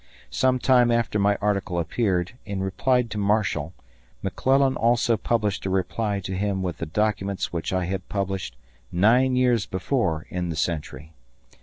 Some time after my article appeared, in reply to Marshall, McClellan also published a reply to him with the documents which I had published nine years before in the Century.